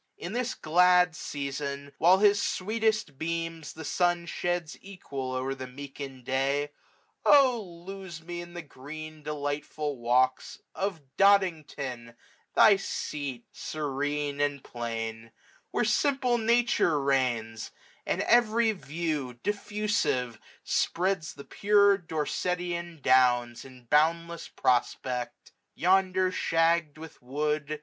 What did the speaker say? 6^q In this glad season, while his sweetest beams The sun sheds equal o'er the meekened day } u 146 AUTUMN. Oh lose me in the green delightful walks Of, DoDiNGTON, thy seat, serene and plain ; Where simple Nature reigns ; and every view, 6^$ Diffusive, spreads the pure Dorsetian downs. In boundless prospect ; yonder shagg'd with wood.